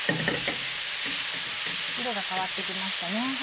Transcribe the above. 色が変わって来ましたね。